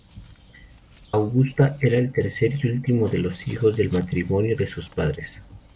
Augusta era el tercero y último de los hijos del matrimonio de sus padres.